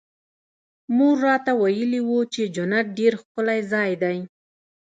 مور راته ويلي وو چې جنت ډېر ښکلى ځاى دى.